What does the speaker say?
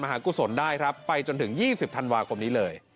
หากุศลได้ครับไปจนถึง๒๐ธันวาคมนี้เลย